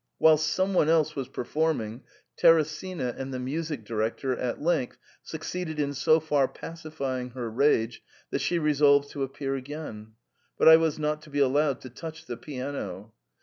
Whilst some one else was performing, Teresina and the music director at length succeeded in so far pacifying her rage, that she resolved to appear again ; but I was not to be allowed to touch the piano.